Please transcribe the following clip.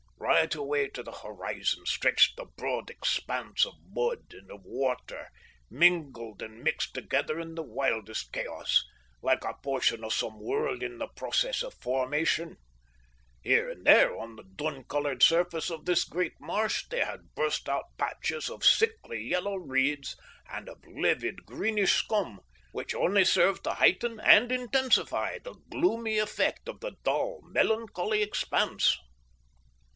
Right away to the horizon stretched the broad expanse of mud and of water, mingled and mixed together in the wildest chaos, like a portion of some world in the process of formation. Here and there on the dun coloured surface of this great marsh there had burst out patches of sickly yellow reeds and of livid, greenish scum, which only served to heighten and intensify the gloomy effect of the dull, melancholy expanse.